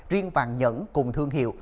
riêng vàng nhẫn cùng thương hiệu